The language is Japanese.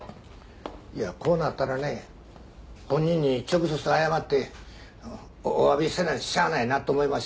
いやこうなったらね本人に直接謝っておわびせなしゃあないなと思いましてね。